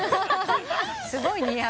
すごい似合う。